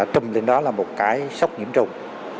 trùm lên đó là một cái sốc nhiễm trùng